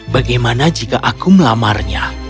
bagaimana jika aku melamarnya